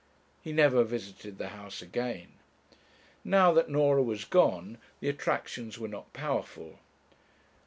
He never visited the house again. Now that Norah was gone the attractions were not powerful.